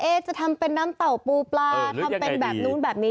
จะทำเป็นน้ำเต่าปูปลาทำเป็นแบบนู้นแบบนี้